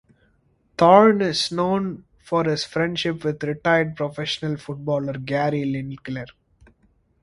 Thorne is known for his friendship with retired professional footballer Gary Lineker.